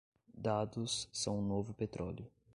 Dados são o novo petróleo